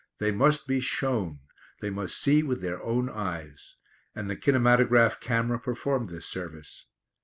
They must be shown; they must see with their own eyes. And the kinematograph camera performed this service.